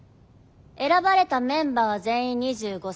選ばれたメンバーは全員２５才以下。